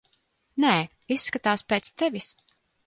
Nē, izskatās pēc tevis.